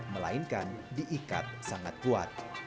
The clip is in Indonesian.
melainkan diikat sangat kuat